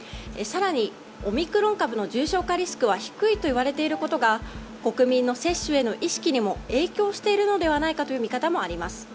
更に、オミクロン株の重症化リスクは低いといわれていることが国民の接種への意識にも影響しているのではないかとの見方もあります。